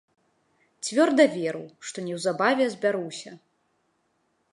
Цвёрда веру, што неўзабаве збяруся.